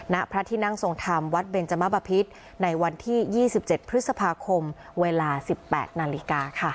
ณพระที่นั่งทรงธรรมวัดเบนจมบพิษในวันที่๒๗พฤษภาคมเวลา๑๘นาฬิกาค่ะ